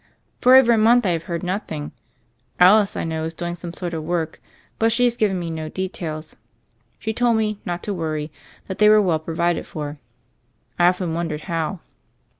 "For over a month I have heard nothing. Alice, I know, is doing some sort of work; but she has given me no details. She told me not to worry, that they were well provided for. I often wondered how."